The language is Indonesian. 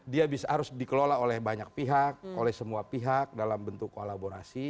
dia harus dikelola oleh banyak pihak oleh semua pihak dalam bentuk kolaborasi